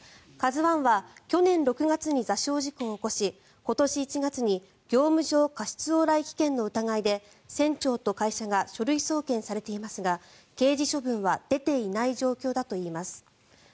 「ＫＡＺＵ１」は去年６月に座礁事故を起こし今年１月に業務上過失往来危険の疑いで船長と会社が書類送検されていますが刑事処分は出ていない状況だといいます。